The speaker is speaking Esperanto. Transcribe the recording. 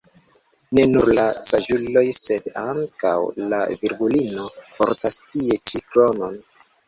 Ne nur la saĝuloj sed ankaŭ la Virgulino portas tie ĉi kronon.